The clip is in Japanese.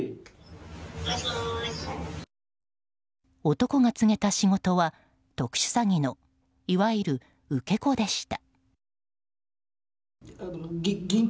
男が告げた仕事は特殊詐欺のいわゆる受け子でした。